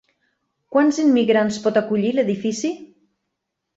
Quants immigrants pot acollir l'edifici?